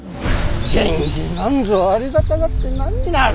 源氏なんぞありがたがって何になる。